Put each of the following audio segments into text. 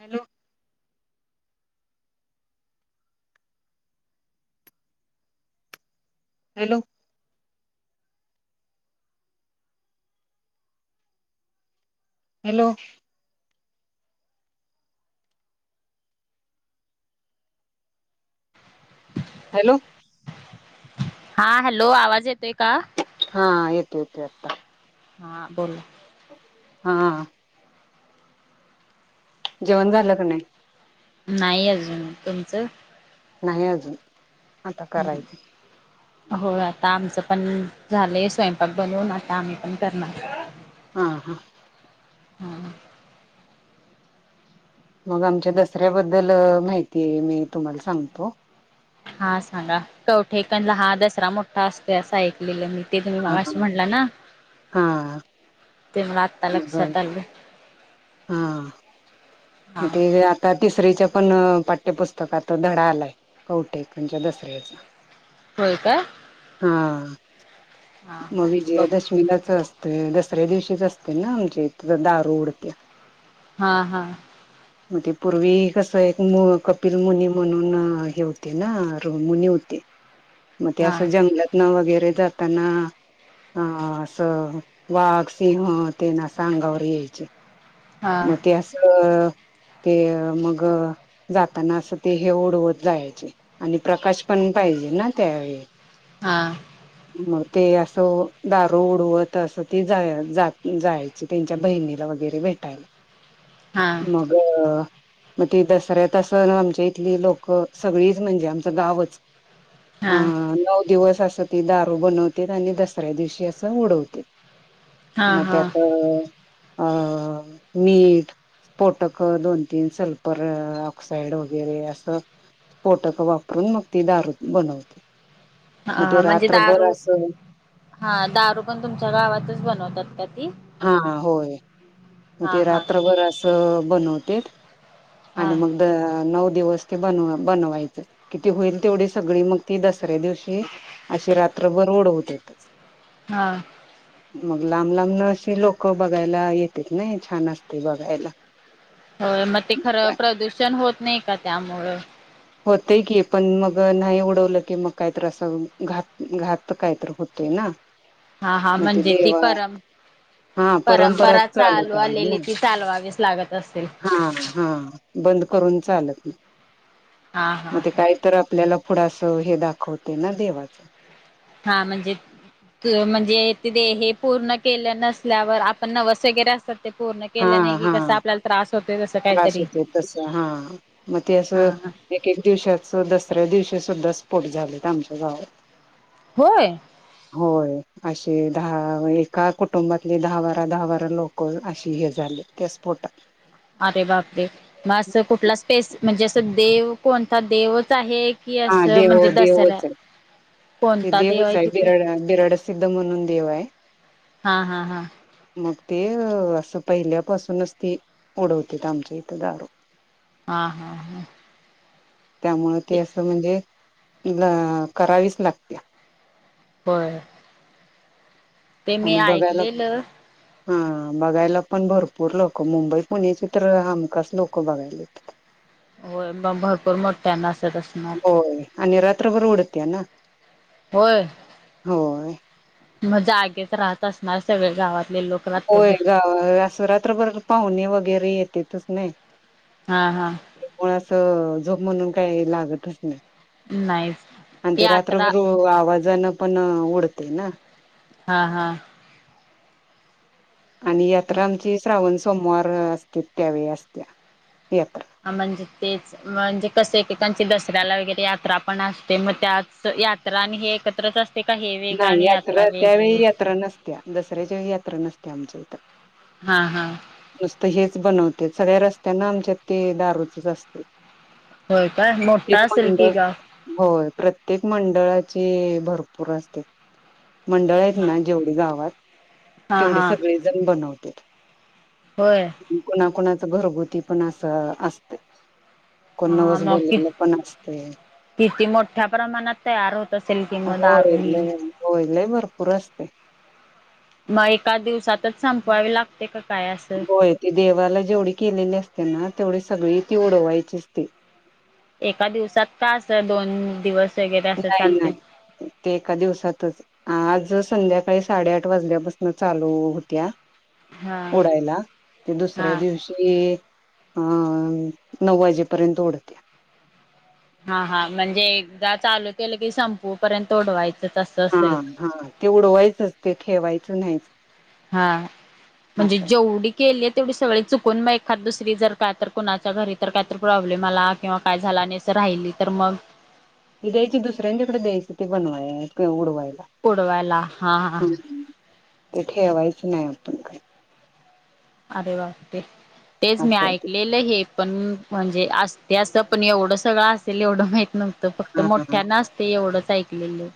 Hello hello hello hello हा hello आवाज येतोय का हा येतो येतो आता हा बोलो हा जेवण झालं क नाही नाही अजून तुमचं नाही अजून आता करायचं हो आता आमचं पण झालेय स्वयंपाक बनवून आता आम्ही पण करणार आ हा हम्म मग आमच्या दसऱ्याबद्दल माहिती मी तुम्हाला सांगतो हा सांगा कवठे कणला हा दसरा मोठा असतोय असं ऐकलेलं मी ते तुम्ही हा हा मगाशी म्हटलाना हा ते मला आत्ता मग लक्ष्यात आल हा म ते आता तिसरी्च्या पण अ पाठ्यपुस्तकात तो धडा आलाय कवठे खणच्या दसऱ्याचा होय काय हाआ हा मग हा बघ विजयादशमीलाच अस ते दसऱ्या दिवशीच असते ना आमच्या इत दारू उडत्या हा हा म ते पूर्वी कसं एक मु कपिल मुनी म्हणून हे होते ना रो मुनी होते मग ते हा असं जंगलातना वगैरे जाताना आ अस वाग सिंह ते ना असं अंगावर यायचे हा म ते असंअ ते मग जाताना अस ते हे उडवत जायच आणि प्रकाश पण पाहिजे ना त्यावेळी हा म ते असं दारू उडवत असं ती जा जाय जायची त्यांच्या बहिणीला वगैर वगैर भेटायला हा मग मग ते दसऱ्या तसं आमच्या इथली लोक सगळीच म्हणजे आमचं गावच आ हा नऊ दिवस अस त ती दारू बनवतेत आणि दसऱ्या दिवशी असं उडवतेत हा मग हा त्यात अ मीठ स्पॉटक दोन तीन सल्फर ऑक्साइड वगैरे असं स्पॉटक वापरून मग ती दारू बनव हा म्हणजे दारू हा दारू पण तुमच्या गावातच बनवतात का ती हा होय मग हा ते हा रात्रभर अस बनवतेत आणि हा मग द अ नऊ दिवस ते बनवायचं किती होईल तेवडी सगळी मग ती ऱ्या दिवशी अशी रात्रभर उडवत्यातच हा मग लांब लांबन न शी लोक बगायला येतेत नाइ छान असतय बगायला होय त्यामुळ होतय की पण मग नाही उडवलं की मग काहीतरी असं घात घात काहीतर होतय ना हा हा मग ते म्हणजे ती देवा परम हा परंपरा चालू चालत आलं ना आलेली ती चालवावीच लागत असेल हा हा बंद करून चालत नाइ हा मग हा ते काहीतर आपल्याला पुढ अस हे दाखवतेय ना देवाचं हा म्हणजे म्हणजे ते दे हे पूर्ण केलं नसल्यावर आपण नवस वगैरे असतात ते पूर्ण हा केलं नाइ की हा कस आपल्याला त्रास होतोय तसं त्रास काहीतरी होतोय तस हा मग ते हा असं हा एक एक दिवश्याच दसऱ्या दिवशी सुद्धा स्पोट झालेत आमच्या गावात होय होय असे दहा एका कुटुंबातले दहा बारा दहा बारा लोक अशी झाले त्या स्फोटक अरे बापरे मग असं कुठला स्पेस म्हणजे असं देव कोणता देवच आहे की हा असं देव म्हणजे दसऱ्या देवच ते कोणता देव देवच आहे तिथं बिराड बिराडा सिद्ध म्हणून देव आहे हा हा हा मग ते असं पहिल्यापासूनच ती उडवतात आमच्या इथं दारू हा हा हा त्यामुळं ते असं म्हणजे अ करावीच लागते होय ते मी आणि बघायला ऐकलेलं हा बघायला पण भरपूर लोक मुंबई पुणे चित्र हमखास लोक बघायला हो मग भरपूर मोठ्यांनासत असणार होय आणि रात्र बर उडत्या ना होय होय. मग जागेतच राहत असणार सगळे गावात होय ग अस रात्रभर पाहुणे वगैरे येतेतच नाही हा हा मुळ असं झोप म्हणून काही लागतच नाही आणि नाहीच ते यात्रा रात्रभर आवाजानं पण उडते ना हा हा आणि यात्रा आमची श्रावण सोमवार असते त्यावेळी असत यात्रा म्हणजे तेच म्हणजे कस एकेकांची दसऱ्याला वगैरे यात्रा पण असते मग त्याच यात्रा आणि हे एकत्रच असत नाही यात्रा त्यावेळी यात्रा नसत्या दसऱ्या ज यात्रा नसते आमची हा हा हेच बनवते सगळ्या रस्त्यांना आमच्यात ते दारूचच असते होय काय मोठा प्रत्येक असेल मंड की गाव होय प्रत प्रत्येक मंडळाची भरपूर असते मंडळ आहेत ना जेवढी गावात हा तेवढे हा सगळे जण बनवते होय कुणाकुणाच घरगुती पण असं असते को हा नवस मग कि बोललेलं पण असते किती मोठ्या प्रमाणात तयार होत असेल ति म दारू ही होयले भरपूर असते मग एका दिवसातच संपवावी लागते का काय असं? होय ते देवाला जेवढी केलेली असते ना तेवढे सगळी ती ओडवायचे अस ते एका दिवसात का अस दोन दिवस वगैरे असं नाही चालते? नाही ते एका दिवसातच आज संध्याकाळी साडेआठ वाजल्यापासून चालू होत्या हा डायला ते दुसऱ्या हा दिवशी अ नऊ वाजेपर्यंत उढत्या हा हा म्हणजे एकदा चालू केलं की संपू पर्यंत ओडवायचं हा हा ते उडवायचंच ते ठेवायचं नाहीच हा म्हणजे असंय जेवढी केली तेवढी सगळी चुकून मग एखाद दुसरी जर काय तर कणाच्या घरी तर काय तर प्रॉब्लेम आला किंवा काय झाला आणिर राहिली तर मग ती द्यायची दुसऱ्यांच्याकडे द्यायची ते बनवाय उडवायची पुडवायला हा हा हा ते ठेवायचं नाही आपण काय अरे वागते तेच मी असंय ते ऐकलेलं हे पण म्हणजे....... असते असं पण एवढं सगळं असेल एवढं माहित नव्हत? फक्त हा हा. मोठ्यांना असतय एवढंच ऐकलेलं.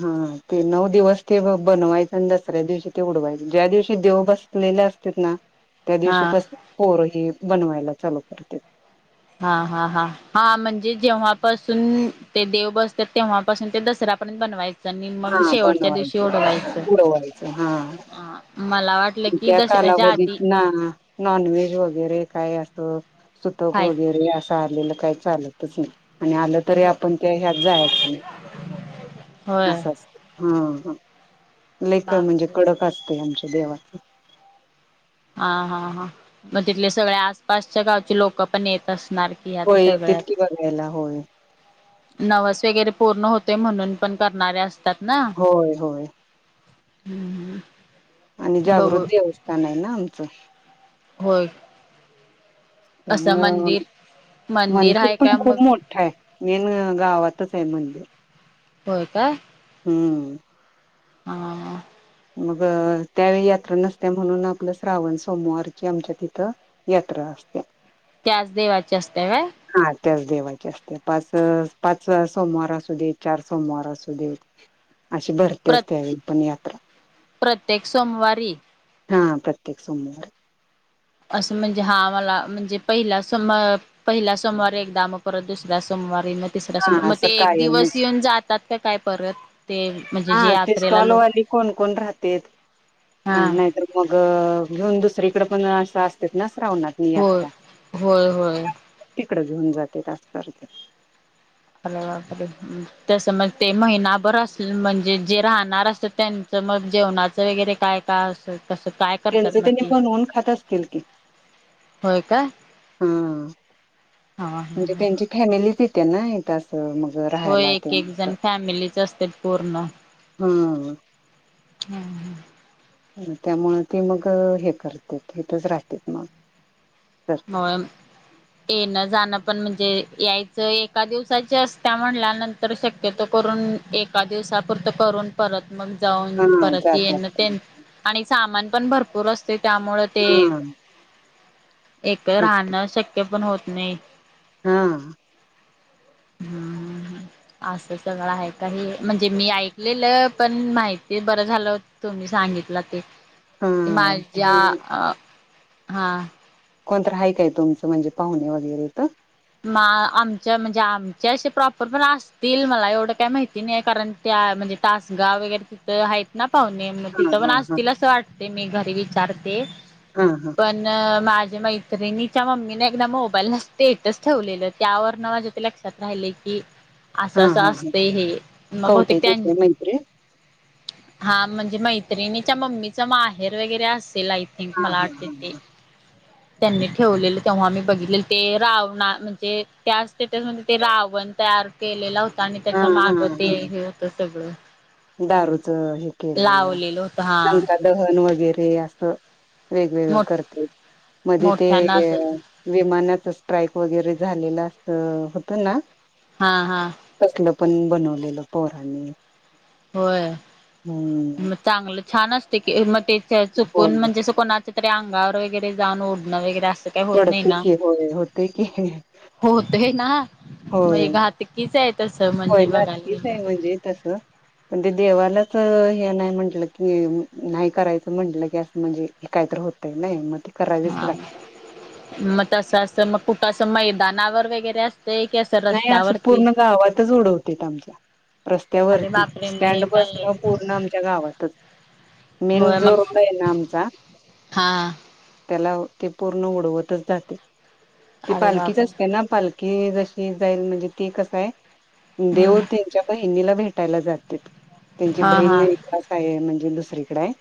हा.... ते नऊ दिवस ते बनवायचं आणि दसऱ्या दिवशी ते उडवायच ज्या दिवशी देव... बसतोय बसले असतेत ना.... त्या दिवशी हा. पास..... हे बनवाला चालू करतात हा हा हा हा.... म्हणजे जेव्हापासून... ते देव बसतात तेव्हापासून ते दसरा आपण बनवायच... हा बनवायच...... उडवायच हा. हा मला वाटलं की त्या दसऱ्याच्या आधी कालावधीत ना नॉनव्हेज वगैरे काय अस? सुतक खायचं वगैरे असं आलेलं काही चालतच नाही. आणि आलं तरी आपण त्या ह्यात जायचं नाही. अस... होय. असत... हा ह लय म्हणजे बापरे कडक असते आमच्या. देवाच हा हा हा... मग तिथले सगळ्या.. आसपासच्या गावचे लोक पण येत असत नारकीयात होय तितकी सगळ्यात बघायला होय नवस वगैरे पूर्ण होते, म्हणून पण करणारे अस... होय होय. हंहं आणि जागृत देवस्थान आहे ना आमचं... होय. असं त्यामुळं.... मंदिर मंदिर आहे का पण मग खूप मोठा आहे..... मेन गावात गावातच आहे मंदिर. होय का? हं हा... मग त्यावेळी यात्रा नसत्या म्हणून आपलं श्रावण सोमवारची आमच्या तिथं....... यात्रा असती.. त्याच देवाची असती होय..? त्याच देवाची असती. पाच पाच सोमवार असू दे, चार सोमवार असू देत. अशी प्र भरतीच त्यावेळेस पण यात्रा प्रत्येक सोमवारी.. हा प्रत्येक सोमवार असं म्हणजे हा मला म्हणजे पहिला सम पहिला सोमवारीच एकदा मग करत दुसऱ्या सोमवार सोमवारी ना तिसऱ्या सोम हा मग ते असं एक दिवस कायमच. येऊन जातात का काय परत...? ते म्हणजे हा जे ते यात्रेला लोक स्टॉलवाली कोण कोण राहते. ह हा नाहीतर मग घेऊन दुसरीकडे पण असं असतेत ना.. श्रावणतली होय यात्रा.... होय होय तिकड घेऊन जातात अस करतात.. अ बार तस मग ते महिनाभर असल म्हणजे जे राहणार असत त्यांच? तर मग जेवणाचं वगैरे काय काय असत? त्यांच त्यांनी बनवून खात असतील की. होय का हा..... हा म्हणजे ह त्यांची फॅमिली त्यांना येत अस हो एक एक जण फॅमिलीच असतेत पूर्ण. हा हं हं त्यामुळे मग हे करते ईथच राहतेत मग तर होय... तेनर जाण पण म्हणजे यायचं, एका दिवसाची असत्या म्हणल्या नंतर शक्यतो करून एक एका दिवसापुरतं करून परत. मग हा जाऊन परत जातात येन ते.... आणि सामान पण भरपूर असते.. त्यामुळ ते हा एक तेच की राहणं शक्य पण होत नाही. हा. हम्म असं सगळं आहे काही म्हणजे मी ऐकलेलं पण माहिती बरं झालं तुम्ही सांग ग ते हा माझ्या छान अ हा कोण तरी हाय काय तुमचं म्हणजे पाहुणे वगैरे तर. मा आमच्या म्हणजे आमचे असे प्रॉपर पण असतील मला एवढं काही माहिती नाही कारण त्या म्हणजे तासगाव वगैरे तिथं आहेत ना. पाहूने मगं हा तिथं पण हा हा असतील अस वाटते मी घरी विचारते हा हा पण मा माझ्या मैत्रिणीच्या मम्मीने एकदा मोबाईलला [unintelligible] तेच ठेवलेलं त्यावरन माझ्या ते लक्षात राहिले की असं हा असं हा हा असतं हे मग बहुतेक कवटेच्या त्यां इथे मैत्रीण हा म्हणजे मैत्रिणीच्या मम्मीच माहेर वगैरे असं [inaudible] हा हा मला हा त्यांनी ठेवलेलं तेव्हा मगं बघितले ते राव म्हणजे त्या त्या ते रावण तयार केलेला हो आणि हा त्याच्या हा माग ते हा हा हे होत सगळं- दारूच हे केलेलं, लावलेलं होतं हा. लंका दहन वगैरे असं. वेगवेगळं मो करते. मध्ये ते मोठ्याना असत विमानाच स्ट्राईक वगैरे झालेलं असं होत ना हा हा. तसलं पण बनवलेलं पोरांनी. होय. हम्म. मग चांगलं छान! असते की मग ते चुकून होय म्हणजे असं कोणाच्या तरी अंगावर वगैरे जाऊन उडणं वगैरे असं काही होत नाही पडते ना. की होय होते की होतय ना. म्हणजे होय, घातकीच आहे तसं होय, म्हणजे बघायला घातकीच गेलं आहे तर. म्हणजे तसं पण ते देवालाच हे नाही म्हंटलं की, नाही करायचं म्हंटलं की, असं म्हणजे ए काहीतरी होत होतय नाही म हा मगं तसं असं मग कुठं मैदानावर वगैरे असतं नाही, असं पूर्ण गावातच उडवतेेत आमच्या अरे रस्त्यावरती बापरे मग स्टँड हे बस काय आहे? न पूर्ण आमच्या गावातच मेन होय जो मग रोड आहे ना आमचा हा त्याला ते पूर्ण उडवतच जाते. ते अरे पालखीच बापरे असते ना, पालखी जशी जाईल म्हणजे, ते कसयं देव हम्म त्यांच्या बहिणीला भेटायला जातात. त्यांची हा बहीण हा एकास आहे, म्हणजे दुसरीकडे आहे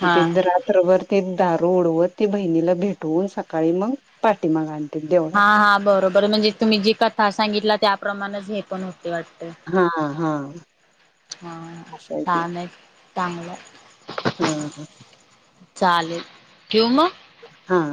हा मगं ते रात्रभर ते दारू उडवत, ते बहिणीला भेटवून सकाळी मगं पाठीमाग आण हा, हा, बरोबर म्हणजे तुम्ही जी कथा सांगितला, त्याप्रमाणच हे पण होत वाटत, हा हा हम असं ते छान आहे. चांगलायं. हा ह. [unintelligible] चालेल ठेवू मगं? हा